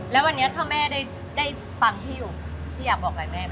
แล้ววันนี้ถ้าแม่ได้ฟังพี่อยู่พี่อยากบอกอะไรแม่